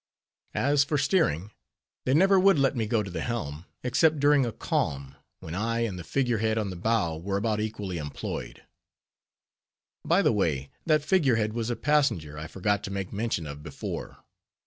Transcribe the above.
As for steering, they never would let me go to the helm, except during a calm, when I and the figure head on the bow were about equally employed. By the way, that figure head was a passenger I forgot to make mention of before.